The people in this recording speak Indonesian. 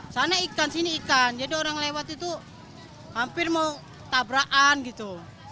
sana ikan sini ikan jadi orang lewat itu hampir mau tabrakan gitu